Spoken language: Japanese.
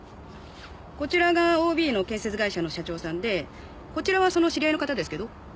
こちらがＯＢの建設会社の社長さんでこちらはその知り合いの方ですけど。